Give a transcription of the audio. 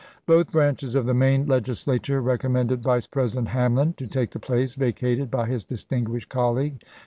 Both branches of the Maine Legislature recommended Vice President Hamlin to take the place vacated by his distinguished colleague.